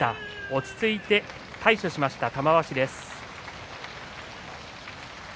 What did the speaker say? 落ち着いて対処しました玉鷲です。